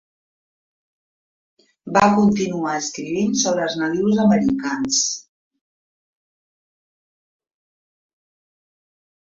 Va continuar escrivint sobre els nadius americans.